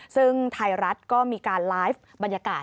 ซึ่งไทยรัฐก็มีการไลฟ์บรรยากาศ